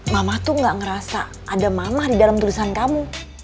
mama tuh gak ngerasa ada mamah di dalam tulisan kamu